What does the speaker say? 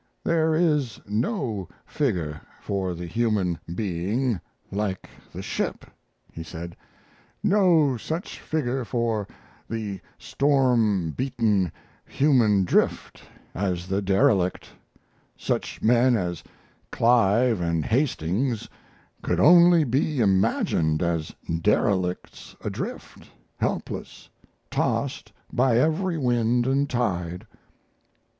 "There is no figure for the human being like the ship," he said; "no such figure for the storm beaten human drift as the derelict such men as Clive and Hastings could only be imagined as derelicts adrift, helpless, tossed by every wind and tide."